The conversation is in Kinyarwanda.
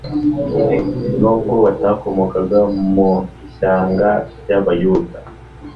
nubwo batakomokaga mu ishyanga ry'Abayuda,